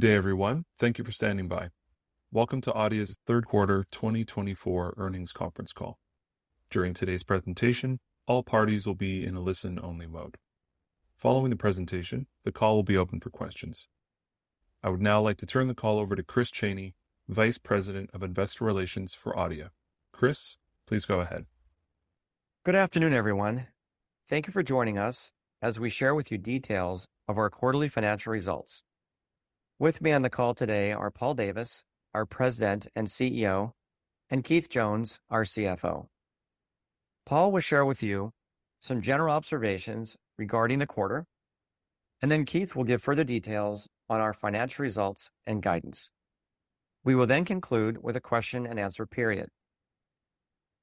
Good day, everyone. Thank you for standing by. Welcome to Adeia's third quarter 2024 earnings conference call. During today's presentation, all parties will be in a listen-only mode. Following the presentation, the call will be open for questions. I would now like to turn the call over to Chris Chaney, Vice President of Investor Relations for Adeia. Chris, please go ahead. Good afternoon, everyone. Thank you for joining us as we share with you details of our quarterly financial results. With me on the call today are Paul Davis, our President and CEO, and Keith Jones, our CFO. Paul will share with you some general observations regarding the quarter, and then Keith will give further details on our financial results and guidance. We will then conclude with a question-and-answer period.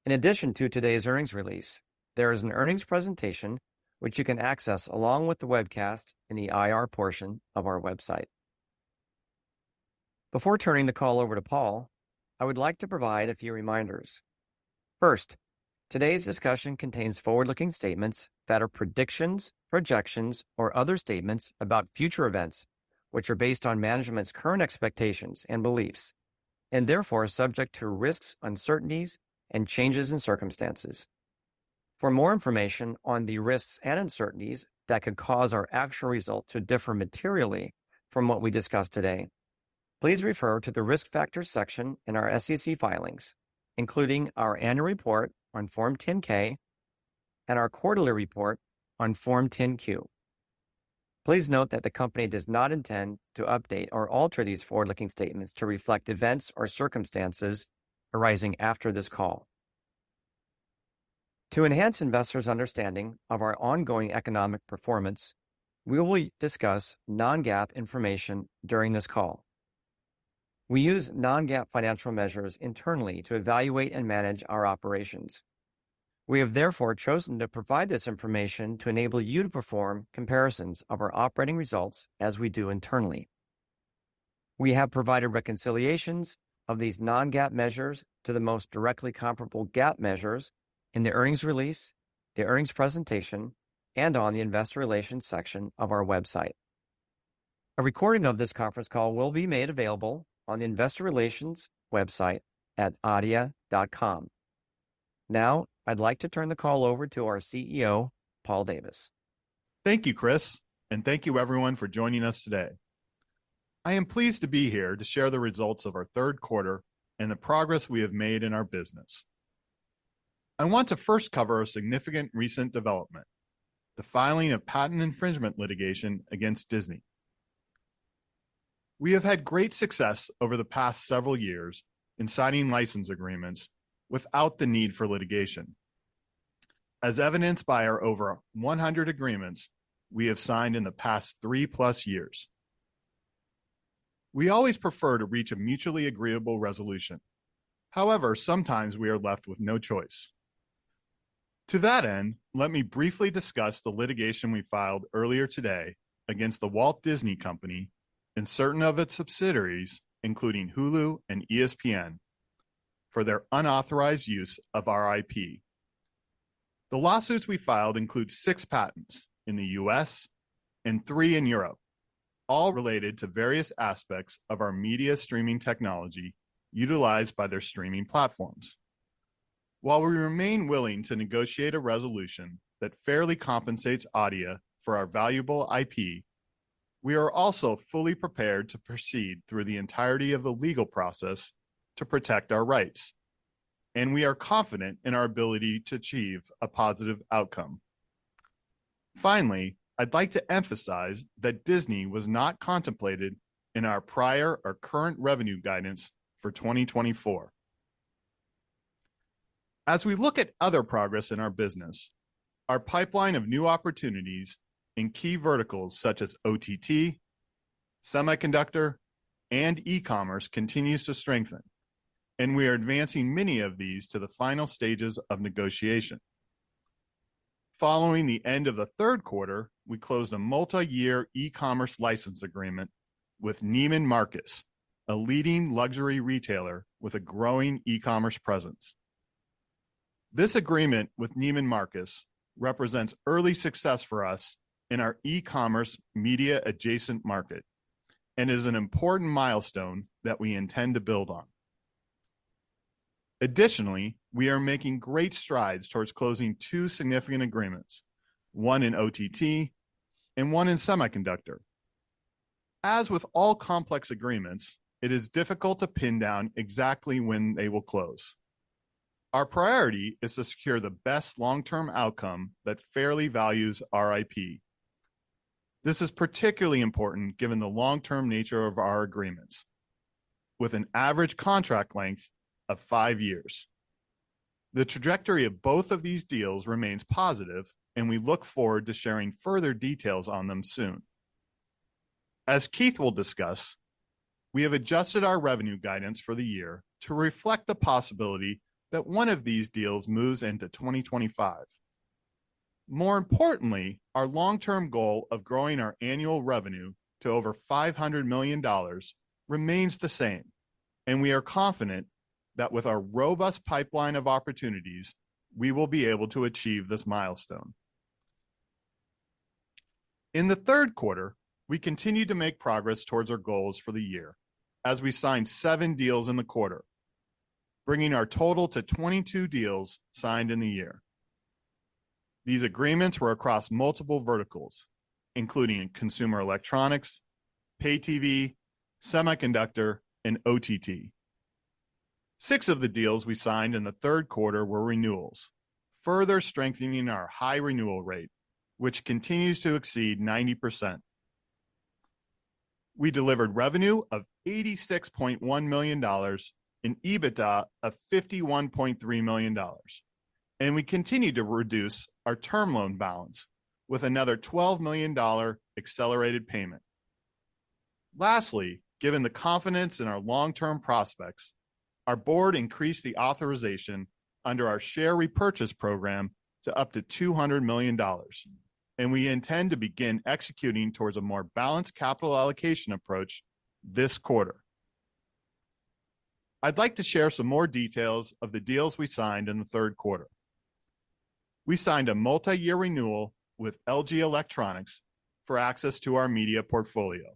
In addition to today's earnings release, there is an earnings presentation which you can access along with the webcast in the IR portion of our website. Before turning the call over to Paul, I would like to provide a few reminders. First, today's discussion contains forward-looking statements that are predictions, projections, or other statements about future events which are based on management's current expectations and beliefs, and therefore subject to risks, uncertainties, and changes in circumstances. For more information on the risks and uncertainties that could cause our actual result to differ materially from what we discuss today, please refer to the risk factors section in our SEC filings, including our annual report on Form 10-K and our quarterly report on Form 10-Q. Please note that the company does not intend to update or alter these forward-looking statements to reflect events or circumstances arising after this call. To enhance investors' understanding of our ongoing economic performance, we will discuss non-GAAP information during this call. We use non-GAAP financial measures internally to evaluate and manage our operations. We have therefore chosen to provide this information to enable you to perform comparisons of our operating results as we do internally. We have provided reconciliations of these non-GAAP measures to the most directly comparable GAAP measures in the earnings release, the earnings presentation, and on the investor relations section of our website. A recording of this conference call will be made available on the investor relations website at adeia.com. Now, I'd like to turn the call over to our CEO, Paul Davis. Thank you, Chris, and thank you, everyone, for joining us today. I am pleased to be here to share the results of our third quarter and the progress we have made in our business. I want to first cover a significant recent development: the filing of patent infringement litigation against Disney. We have had great success over the past several years in signing license agreements without the need for litigation, as evidenced by our over 100 agreements we have signed in the past three-plus years. We always prefer to reach a mutually agreeable resolution. However, sometimes we are left with no choice. To that end, let me briefly discuss the litigation we filed earlier today against the Walt Disney Company and certain of its subsidiaries, including Hulu and ESPN, for their unauthorized use of our IP. The lawsuits we filed include six patents in the U.S. and three in Europe, all related to various aspects of our media streaming technology utilized by their streaming platforms. While we remain willing to negotiate a resolution that fairly compensates Adeia for our valuable IP, we are also fully prepared to proceed through the entirety of the legal process to protect our rights, and we are confident in our ability to achieve a positive outcome. Finally, I'd like to emphasize that Disney was not contemplated in our prior or current revenue guidance for 2024. As we look at other progress in our business, our pipeline of new opportunities in key verticals such as OTT, semiconductor, and e-commerce continues to strengthen, and we are advancing many of these to the final stages of negotiation. Following the end of the third quarter, we closed a multi-year e-commerce license agreement with Neiman Marcus, a leading luxury retailer with a growing e-commerce presence. This agreement with Neiman Marcus represents early success for us in our e-commerce media-adjacent market and is an important milestone that we intend to build on. Additionally, we are making great strides towards closing two significant agreements, one in OTT and one in semiconductor. As with all complex agreements, it is difficult to pin down exactly when they will close. Our priority is to secure the best long-term outcome that fairly values our IP. This is particularly important given the long-term nature of our agreements, with an average contract length of five years. The trajectory of both of these deals remains positive, and we look forward to sharing further details on them soon. As Keith will discuss, we have adjusted our revenue guidance for the year to reflect the possibility that one of these deals moves into 2025. More importantly, our long-term goal of growing our annual revenue to over $500 million remains the same, and we are confident that with our robust pipeline of opportunities, we will be able to achieve this milestone. In the third quarter, we continue to make progress towards our goals for the year as we signed seven deals in the quarter, bringing our total to 22 deals signed in the year. These agreements were across multiple verticals, including consumer electronics, pay TV, semiconductor, and OTT. Six of the deals we signed in the third quarter were renewals, further strengthening our high renewal rate, which continues to exceed 90%. We delivered revenue of $86.1 million and EBITDA of $51.3 million, and we continue to reduce our term loan balance with another $12 million accelerated payment. Lastly, given the confidence in our long-term prospects, our board increased the authorization under our share repurchase program to up to $200 million, and we intend to begin executing towards a more balanced capital allocation approach this quarter. I'd like to share some more details of the deals we signed in the third quarter. We signed a multi-year renewal with LG Electronics for access to our media portfolio.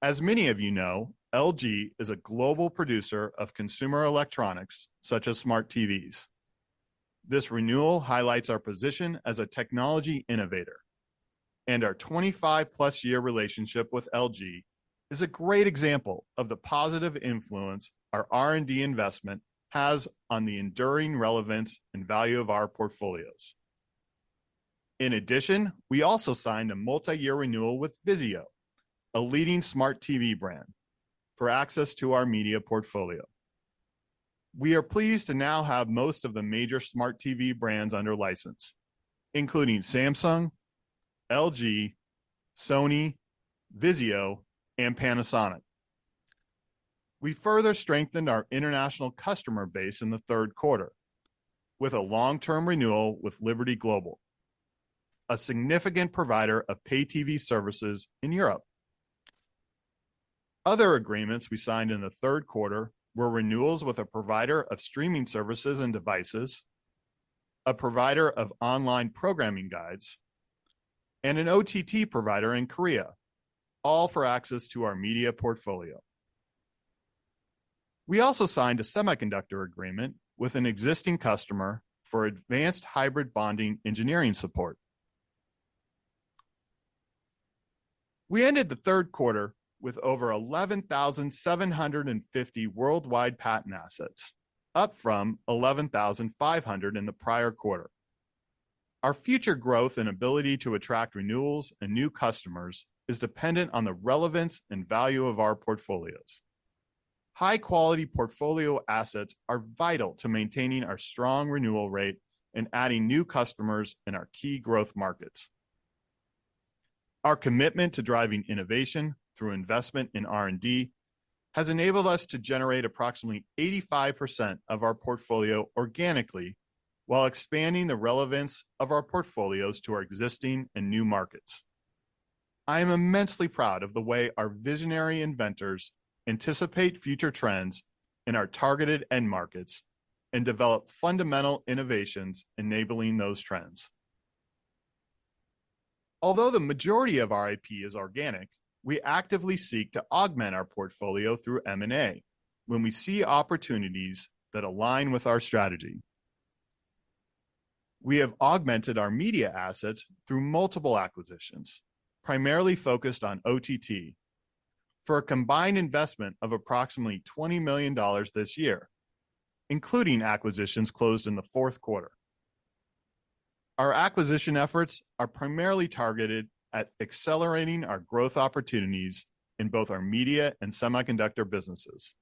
As many of you know, LG is a global producer of consumer electronics such as smart TVs. This renewal highlights our position as a technology innovator, and our 25-plus year relationship with LG is a great example of the positive influence our R&D investment has on the enduring relevance and value of our portfolios. In addition, we also signed a multi-year renewal with Vizio, a leading smart TV brand, for access to our media portfolio. We are pleased to now have most of the major smart TV brands under license, including Samsung, LG, Sony, Vizio, and Panasonic. We further strengthened our international customer base in the third quarter with a long-term renewal with Liberty Global, a significant provider of pay TV services in Europe. Other agreements we signed in the third quarter were renewals with a provider of streaming services and devices, a provider of online programming guides, and an OTT provider in Korea, all for access to our media portfolio. We also signed a semiconductor agreement with an existing customer for advanced hybrid bonding engineering support. We ended the third quarter with over 11,750 worldwide patent assets, up from 11,500 in the prior quarter. Our future growth and ability to attract renewals and new customers is dependent on the relevance and value of our portfolios. High-quality portfolio assets are vital to maintaining our strong renewal rate and adding new customers in our key growth markets. Our commitment to driving innovation through investment in R&D has enabled us to generate approximately 85% of our portfolio organically while expanding the relevance of our portfolios to our existing and new markets. I am immensely proud of the way our visionary inventors anticipate future trends in our targeted end markets and develop fundamental innovations enabling those trends. Although the majority of our IP is organic, we actively seek to augment our portfolio through M&A when we see opportunities that align with our strategy. We have augmented our media assets through multiple acquisitions, primarily focused on OTT, for a combined investment of approximately $20 million this year, including acquisitions closed in the fourth quarter. Our acquisition efforts are primarily targeted at accelerating our growth opportunities in both our media and semiconductor businesses.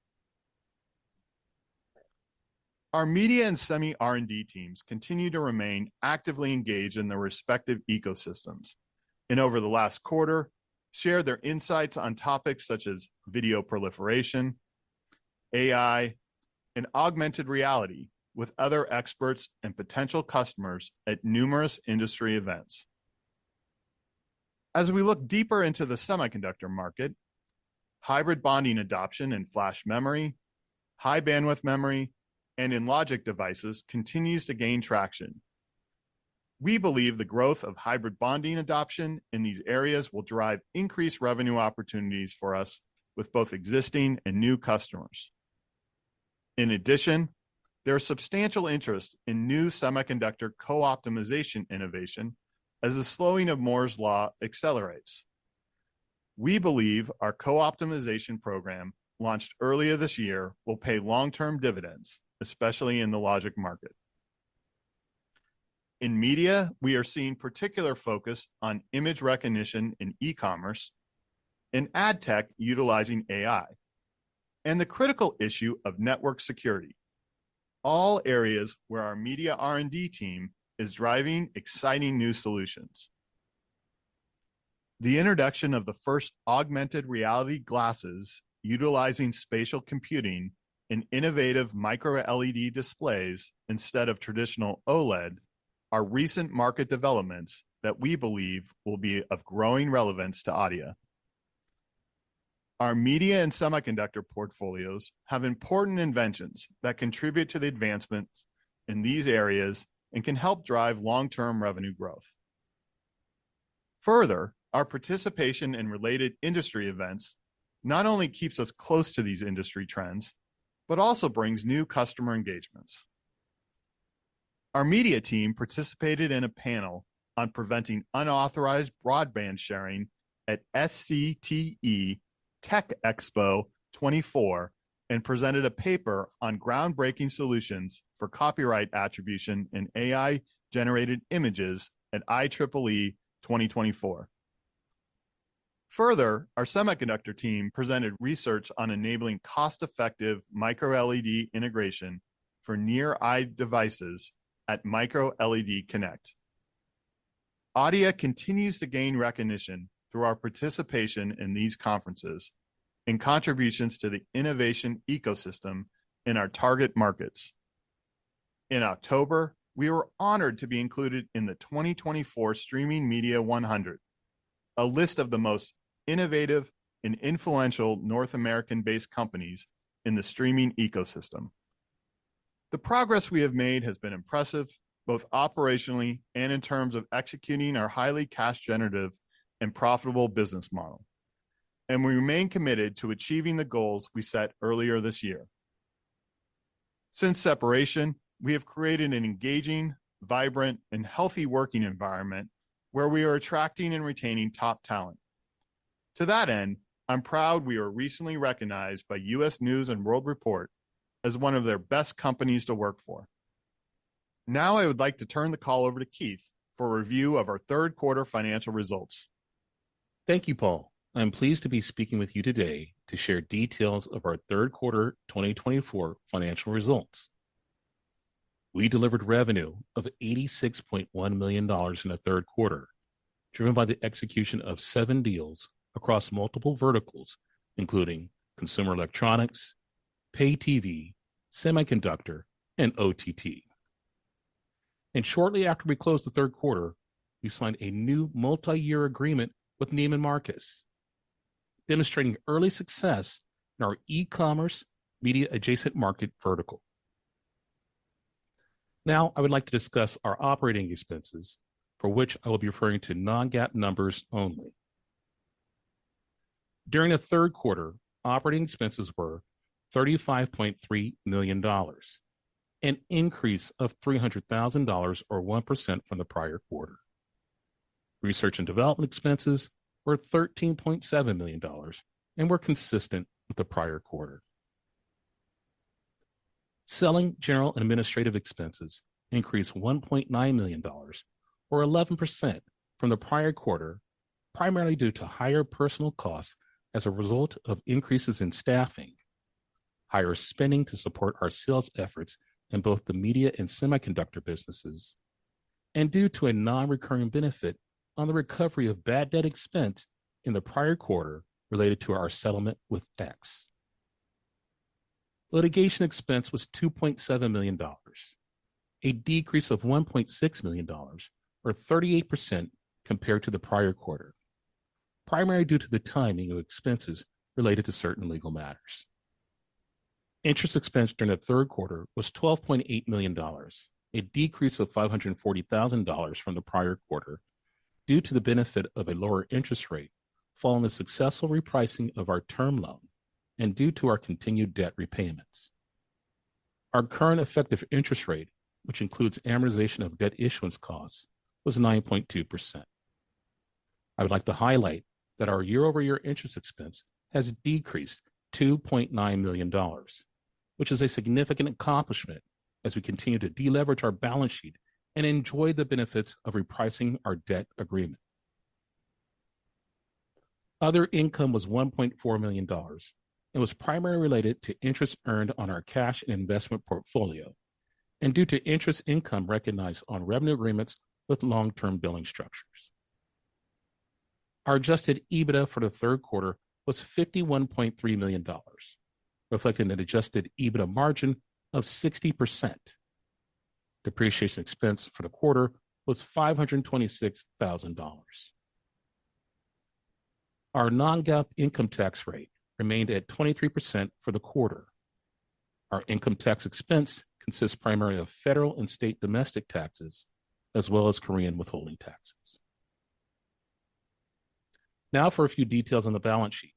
Our media and semi-R&D teams continue to remain actively engaged in their respective ecosystems, and over the last quarter, shared their insights on topics such as video proliferation, AI, and augmented reality with other experts and potential customers at numerous industry events. As we look deeper into the semiconductor market, hybrid bonding adoption in flash memory, high bandwidth memory, and in logic devices continues to gain traction. We believe the growth of hybrid bonding adoption in these areas will drive increased revenue opportunities for us with both existing and new customers. In addition, there is substantial interest in new semiconductor co-optimization innovation as the slowing of Moore's Law accelerates. We believe our co-optimization program launched earlier this year will pay long-term dividends, especially in the logic market. In media, we are seeing particular focus on image recognition in e-commerce, in ad tech utilizing AI, and the critical issue of network security, all areas where our media R&D team is driving exciting new solutions. The introduction of the first augmented reality glasses utilizing spatial computing and innovative micro-LED displays instead of traditional OLED are recent market developments that we believe will be of growing relevance to Adeia. Our media and semiconductor portfolios have important inventions that contribute to the advancements in these areas and can help drive long-term revenue growth. Further, our participation in related industry events not only keeps us close to these industry trends, but also brings new customer engagements. Our media team participated in a panel on preventing unauthorized broadband sharing at SCTE TechExpo 2024 and presented a paper on groundbreaking solutions for copyright attribution in AI-generated images at IEEE 2024. Further, our semiconductor team presented research on enabling cost-effective micro-LED integration for near-eye devices at MicroLED Connect. Adeia continues to gain recognition through our participation in these conferences and contributions to the innovation ecosystem in our target markets. In October, we were honored to be included in the 2024 Streaming Media 100, a list of the most innovative and influential North American-based companies in the streaming ecosystem. The progress we have made has been impressive both operationally and in terms of executing our highly cash-generative and profitable business model, and we remain committed to achieving the goals we set earlier this year. Since separation, we have created an engaging, vibrant, and healthy working environment where we are attracting and retaining top talent. To that end, I'm proud we were recently recognized by U.S. News & World Report as one of their best companies to work for. Now, I would like to turn the call over to Keith for a review of our third-quarter financial results. Thank you, Paul. I'm pleased to be speaking with you today to share details of our third-quarter 2024 financial results. We delivered revenue of $86.1 million in the third quarter, driven by the execution of seven deals across multiple verticals, including consumer electronics, pay TV, semiconductor, and OTT. And shortly after we closed the third quarter, we signed a new multi-year agreement with Neiman Marcus, demonstrating early success in our e-commerce media-adjacent market vertical. Now, I would like to discuss our operating expenses, for which I will be referring to non-GAAP numbers only. During the third quarter, operating expenses were $35.3 million, an increase of $300,000 or 1% from the prior quarter. Research and development expenses were $13.7 million and were consistent with the prior quarter. Selling, general, and administrative expenses increased $1.9 million, or 11% from the prior quarter, primarily due to higher personnel costs as a result of increases in staffing, higher spending to support our sales efforts in both the media and semiconductor businesses, and due to a non-recurring benefit on the recovery of bad debt expense in the prior quarter related to our settlement with X. Litigation expense was $2.7 million, a decrease of $1.6 million, or 38% compared to the prior quarter, primarily due to the timing of expenses related to certain legal matters. Interest expense during the third quarter was $12.8 million, a decrease of $540,000 from the prior quarter due to the benefit of a lower interest rate following the successful repricing of our term loan and due to our continued debt repayments. Our current effective interest rate, which includes amortization of debt issuance costs, was 9.2%. I would like to highlight that our year-over-year interest expense has decreased $2.9 million, which is a significant accomplishment as we continue to deleverage our balance sheet and enjoy the benefits of repricing our debt agreement. Other income was $1.4 million and was primarily related to interest earned on our cash and investment portfolio and due to interest income recognized on revenue agreements with long-term billing structures. Our Adjusted EBITDA for the third quarter was $51.3 million, reflecting an Adjusted EBITDA margin of 60%. Depreciation expense for the quarter was $526,000. Our non-GAAP income tax rate remained at 23% for the quarter. Our income tax expense consists primarily of federal and state domestic taxes as well as Korean withholding taxes. Now for a few details on the balance sheet.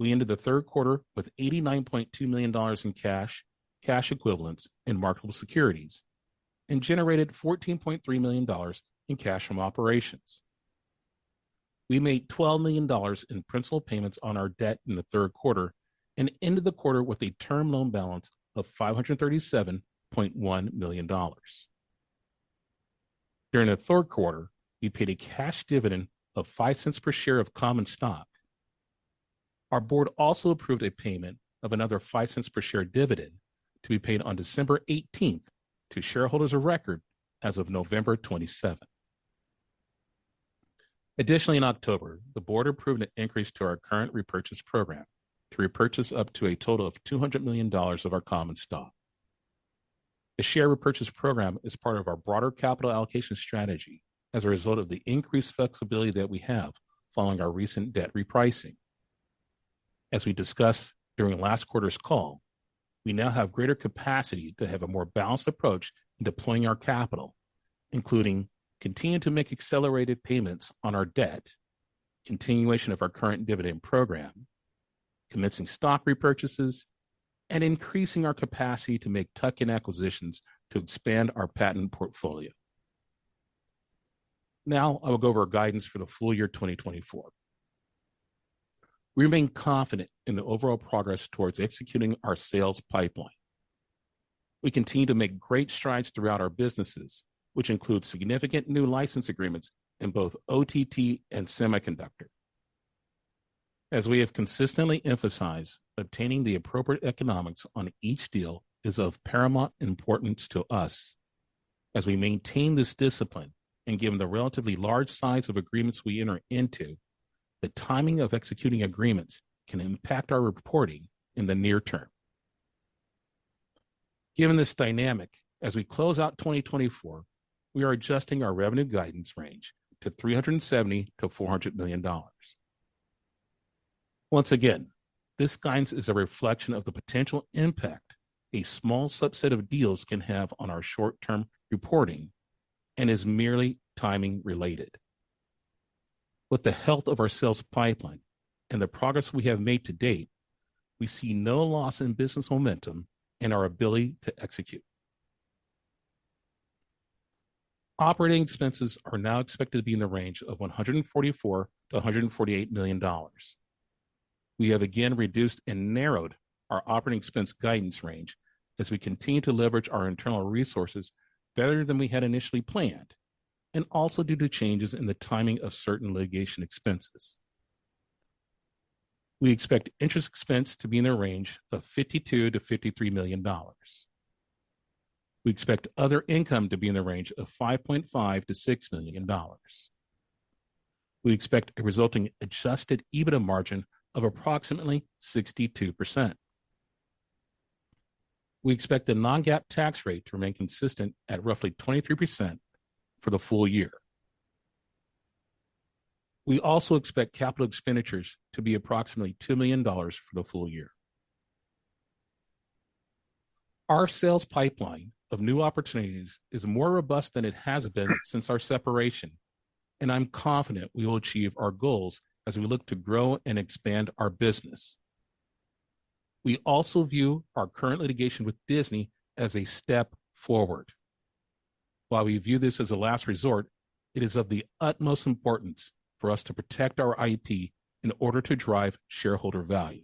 We ended the third quarter with $89.2 million in cash, cash equivalents, and marketable securities, and generated $14.3 million in cash from operations. We made $12 million in principal payments on our debt in the third quarter and ended the quarter with a term loan balance of $537.1 million. During the third quarter, we paid a cash dividend of $0.05 per share of common stock. Our board also approved a payment of another $0.05 per share dividend to be paid on December 18th to shareholders of record as of November 27th. Additionally, in October, the board approved an increase to our current repurchase program to repurchase up to a total of $200 million of our common stock. The share repurchase program is part of our broader capital allocation strategy as a result of the increased flexibility that we have following our recent debt repricing. As we discussed during last quarter's call, we now have greater capacity to have a more balanced approach in deploying our capital, including continuing to make accelerated payments on our debt, continuation of our current dividend program, commencing stock repurchases, and increasing our capacity to make tuck-in acquisitions to expand our patent portfolio. Now, I will go over our guidance for the full year 2024. We remain confident in the overall progress towards executing our sales pipeline. We continue to make great strides throughout our businesses, which include significant new license agreements in both OTT and semiconductor. As we have consistently emphasized, obtaining the appropriate economics on each deal is of paramount importance to us. As we maintain this discipline and given the relatively large size of agreements we enter into, the timing of executing agreements can impact our reporting in the near term. Given this dynamic, as we close out 2024, we are adjusting our revenue guidance range to $370 million-$400 million. Once again, this guidance is a reflection of the potential impact a small subset of deals can have on our short-term reporting and is merely timing-related. With the health of our sales pipeline and the progress we have made to date, we see no loss in business momentum and our ability to execute. Operating expenses are now expected to be in the range of $144 million-$148 million. We have again reduced and narrowed our operating expense guidance range as we continue to leverage our internal resources better than we had initially planned and also due to changes in the timing of certain litigation expenses. We expect interest expense to be in the range of $52 million-$53 million. We expect other income to be in the range of $5.5 million-$6 million. We expect a resulting Adjusted EBITDA margin of approximately 62%. We expect the non-GAAP tax rate to remain consistent at roughly 23% for the full year. We also expect capital expenditures to be approximately $2 million for the full year. Our sales pipeline of new opportunities is more robust than it has been since our separation, and I'm confident we will achieve our goals as we look to grow and expand our business. We also view our current litigation with Disney as a step forward. While we view this as a last resort, it is of the utmost importance for us to protect our IP in order to drive shareholder value.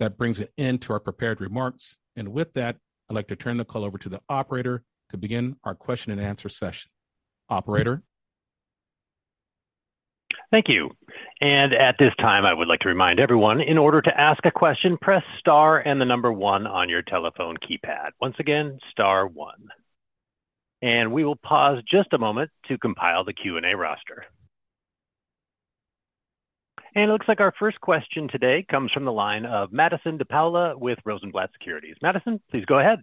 That brings an end to our prepared remarks, and with that, I'd like to turn the call over to the operator to begin our question-and-answer session. Operator. Thank you. And at this time, I would like to remind everyone, in order to ask a question, press star and the number one on your telephone keypad. Once again, star one. And we will pause just a moment to compile the Q&A roster. And it looks like our first question today comes from the line of Madison DePaola with Rosenblatt Securities. Madison, please go ahead.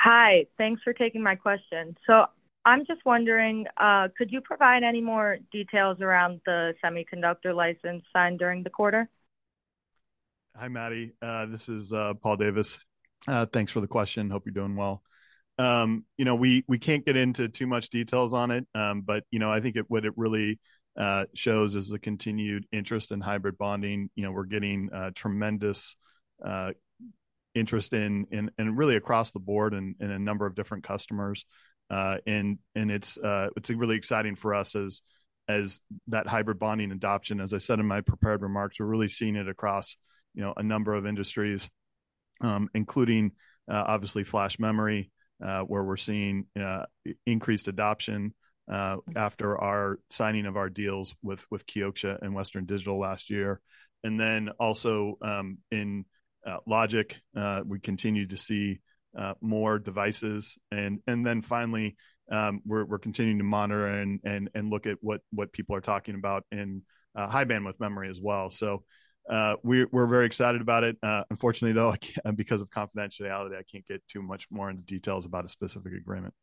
Hi. Thanks for taking my question. So I'm just wondering, could you provide any more details around the semiconductor license signed during the quarter? Hi, Maddie. This is Paul Davis. Thanks for the question. Hope you're doing well. You know, we can't get into too much details on it, but you know, I think what it really shows is the continued interest in hybrid bonding. You know, we're getting tremendous interest in, and really across the board and a number of different customers, and it's really exciting for us as that hybrid bonding adoption, as I said in my prepared remarks, we're really seeing it across a number of industries, including obviously flash memory, where we're seeing increased adoption after our signing of our deals with Kioxia and Western Digital last year, and then also in logic, we continue to see more devices, and then finally, we're continuing to monitor and look at what people are talking about in high bandwidth memory as well, so we're very excited about it. Unfortunately, though, because of confidentiality, I can't get too much more into details about a specific agreement.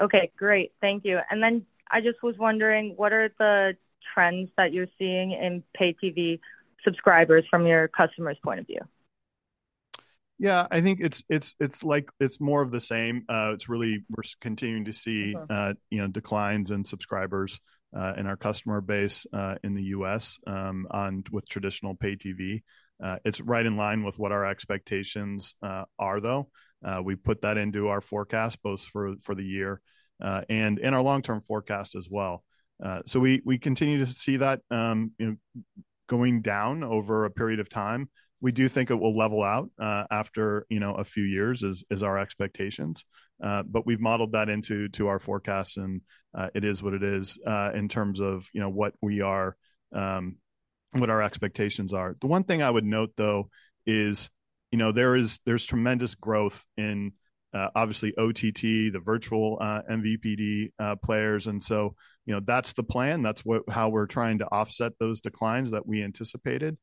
Okay, great. Thank you. And then I just was wondering, what are the trends that you're seeing in pay TV subscribers from your customers' point of view? Yeah, I think it's like it's more of the same. It's really, we're continuing to see declines in subscribers in our customer base in the U.S. with traditional pay TV. It's right in line with what our expectations are, though. We put that into our forecast both for the year and in our long-term forecast as well. So we continue to see that going down over a period of time. We do think it will level out after a few years, is our expectations. But we've modeled that into our forecasts, and it is what it is in terms of what we are, what our expectations are. The one thing I would note, though, is there's tremendous growth in obviously OTT, the virtual MVPD players. And so that's the plan. That's how we're trying to offset those declines that we anticipated.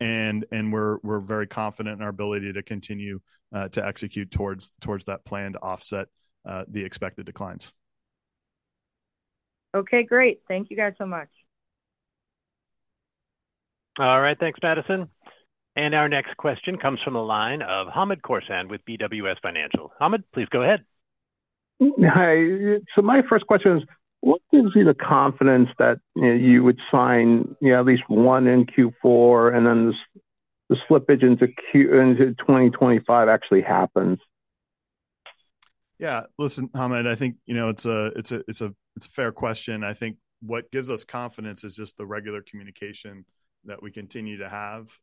And we're very confident in our ability to continue to execute towards that plan to offset the expected declines. Okay, great. Thank you guys so much. All right, thanks, Madison. And our next question comes from the line of Hamed Khorsand with BWS Financial. Hamed, please go ahead. Hi. So my first question is, what gives you the confidence that you would sign at least one in Q4 and then the slippage into 2025 actually happens? Yeah, listen, Hamed, I think it's a fair question. I think what gives us confidence is just the regular communication that we continue to have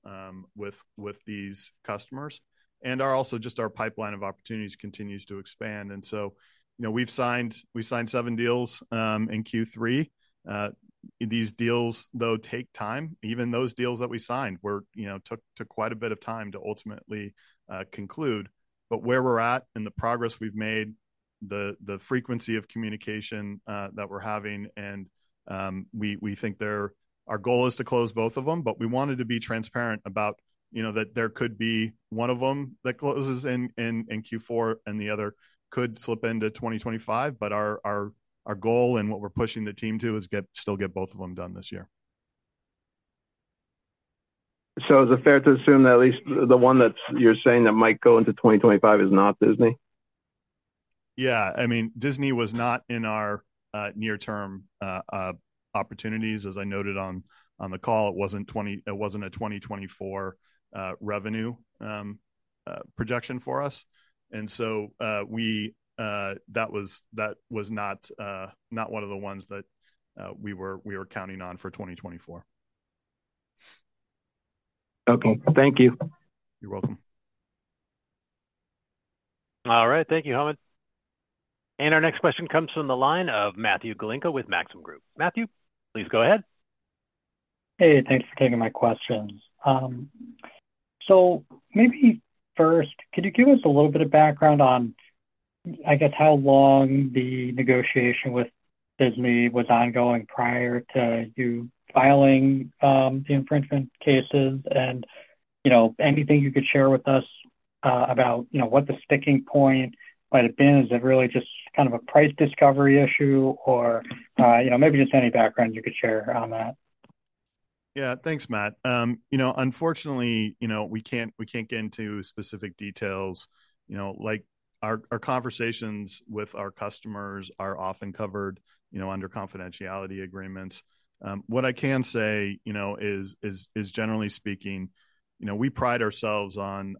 with these customers and also just our pipeline of opportunities continues to expand, and so we've signed seven deals in Q3. These deals, though, take time. Even those deals that we signed took quite a bit of time to ultimately conclude, but where we're at and the progress we've made, the frequency of communication that we're having, and we think our goal is to close both of them, but we wanted to be transparent about that there could be one of them that closes in Q4 and the other could slip into 2025, but our goal and what we're pushing the team to is still get both of them done this year. So is it fair to assume that at least the one that you're saying that might go into 2025 is not Disney? Yeah, I mean, Disney was not in our near-term opportunities. As I noted on the call, it wasn't a 2024 revenue projection for us. And so that was not one of the ones that we were counting on for 2024. Okay, thank you. You're welcome. All right, thank you, Hamed. And our next question comes from the line of Matthew Galinko with Maxim Group. Matthew, please go ahead. Hey, thanks for taking my questions. So maybe first, could you give us a little bit of background on, I guess, how long the negotiation with Disney was ongoing prior to you filing the infringement cases? And anything you could share with us about what the sticking point might have been? Is it really just kind of a price discovery issue or maybe just any background you could share on that? Yeah, thanks, Matt. Unfortunately, we can't get into specific details. Our conversations with our customers are often covered under confidentiality agreements. What I can say is, generally speaking, we pride ourselves on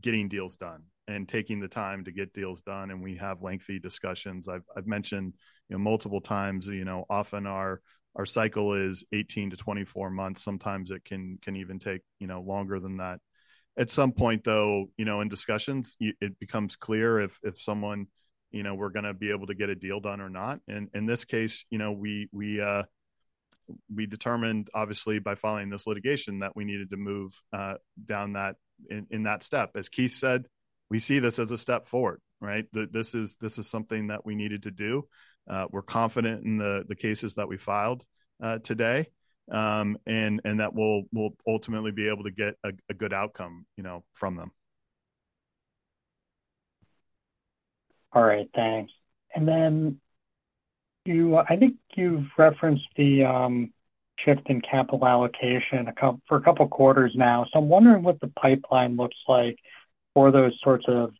getting deals done and taking the time to get deals done, and we have lengthy discussions. I've mentioned multiple times, often our cycle is 18-24 months. Sometimes it can even take longer than that. At some point, though, in discussions, it becomes clear if someone we're going to be able to get a deal done or not. And in this case, we determined, obviously, by filing this litigation that we needed to move down in that step. As Keith said, we see this as a step forward, right? This is something that we needed to do. We're confident in the cases that we filed today and that we'll ultimately be able to get a good outcome from them. All right, thanks. And then I think you've referenced the shift in capital allocation for a couple of quarters now. So I'm wondering what the pipeline looks like for those sorts of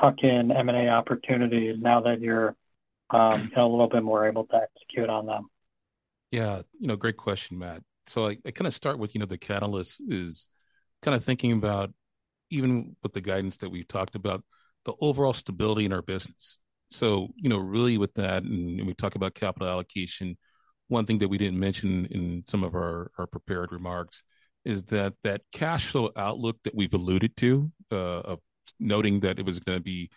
tuck-in M&A opportunities now that you're a little bit more able to execute on them. Yeah, great question, Matt. So I kind of start with the catalyst is kind of thinking about even with the guidance that we've talked about, the overall stability in our business. So really with that, and we talk about capital allocation, one thing that we didn't mention in some of our prepared remarks is that that cash flow outlook that we've alluded to, noting that it was going to be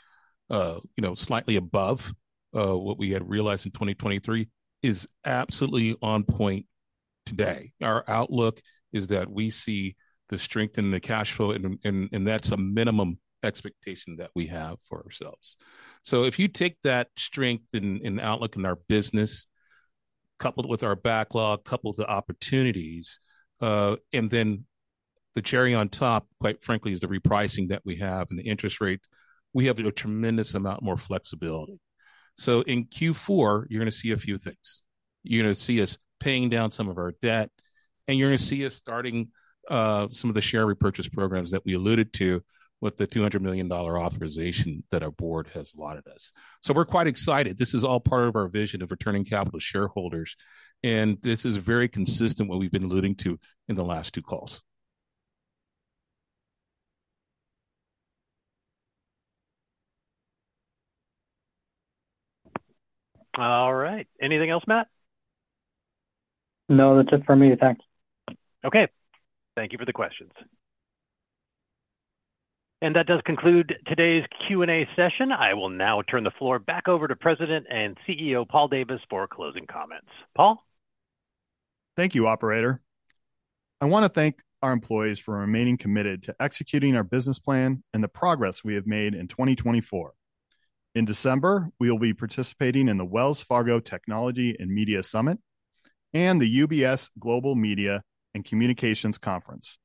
slightly above what we had realized in 2023, is absolutely on point today. Our outlook is that we see the strength in the cash flow, and that's a minimum expectation that we have for ourselves. So if you take that strength and outlook in our business, coupled with our backlog, coupled with the opportunities, and then the cherry on top, quite frankly, is the repricing that we have and the interest rate, we have a tremendous amount more flexibility. So in Q4, you're going to see a few things. You're going to see us paying down some of our debt, and you're going to see us starting some of the share repurchase programs that we alluded to with the $200 million authorization that our board has lauded us. So we're quite excited. This is all part of our vision of returning capital to shareholders, and this is very consistent with what we've been alluding to in the last two calls. All right. Anything else, Matt? No, that's it for me. Thanks. Okay, thank you for the questions, and that does conclude today's Q&A session. I will now turn the floor back over to President and CEO Paul Davis for closing comments. Paul? Thank you, Operator. I want to thank our employees for remaining committed to executing our business plan and the progress we have made in 2024. In December, we will be participating in the Wells Fargo Technology and Media Summit and the UBS Global Media and Communications Conference.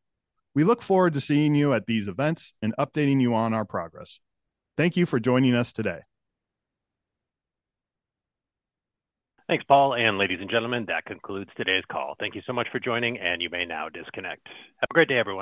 We look forward to seeing you at these events and updating you on our progress. Thank you for joining us today. Thanks, Paul. And ladies and gentlemen, that concludes today's call. Thank you so much for joining, and you may now disconnect. Have a great day everyone.